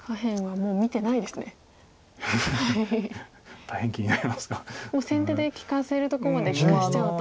もう先手で利かせるとこまで利かしちゃうおうと。